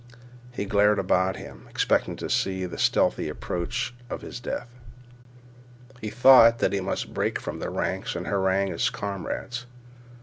He glared about him, expecting to see the stealthy approach of his death. He thought that he must break from the ranks and harangue his comrades.